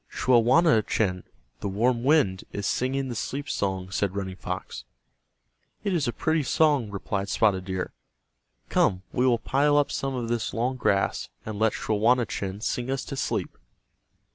"Schawanachen, the warm wind, is singing the sleep song," said Running Fox. "It is a pretty song," replied Spotted Deer. "Come, we will pile up some of this long grass, and let Schawanachen sing us to sleep."